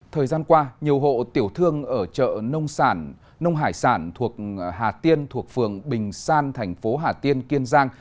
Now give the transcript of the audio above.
thời gian qua nhiều hộ tiểu thương ở chợ nông sản nông hải sản thuộc hà tiên thuộc phường bình san thành phố hà tiên kiên giang